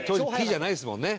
じゃないですもんね。